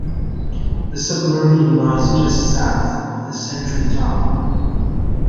The submarine lies just south of the sentry tower.